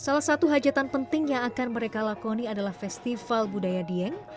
salah satu hajatan penting yang akan mereka lakoni adalah festival budaya dieng